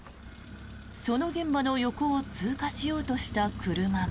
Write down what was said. その現場の横を通過しようとした車も。